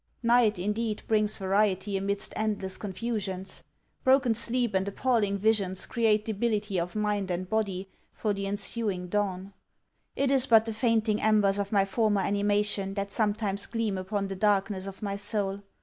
Night, indeed, brings variety amidst endless confusions! Broken sleep and apalling visions create debility of mind and body for the ensuing dawn! It is but the fainting embers of my former animation that sometimes gleam upon the darkness of my soul.